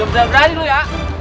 jangan berani lu ya